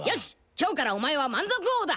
今日からお前は満足王だ！